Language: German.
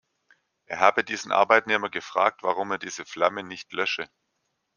Er habe diesen Arbeitnehmer gefragt, warum er diese Flamme nicht lösche.